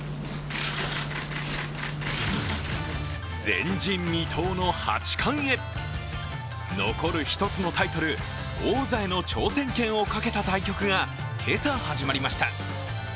前人未到の八冠へ残る一つのタイトル王座への挑戦権をかけた対局が今朝始まりました。